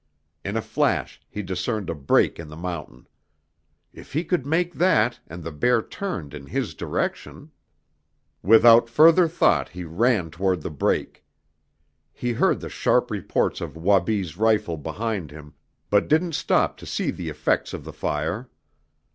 In a flash he discerned a break in the mountain. If he could make that, and the bear turned in his direction Without further thought he ran toward the break. He heard the sharp reports of Wabi's rifle behind him, but didn't stop to see the effect of the fire.